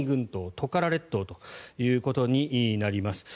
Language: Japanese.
トカラ列島ということになります。